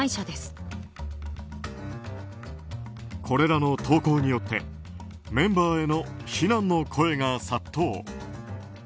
これらの投稿によってメンバーへの非難の声が殺到。